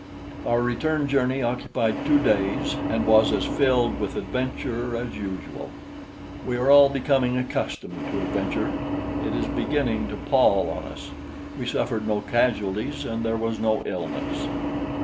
Our return journey occupied two days and was as filled with adventure as usual. We are all becoming accustomed to adventure. It is beginning to pall on us. We suffered no casualties and there was no illness.